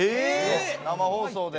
生放送で？